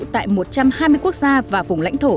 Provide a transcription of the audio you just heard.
tại một trăm hai mươi quốc gia và vùng lãnh thổ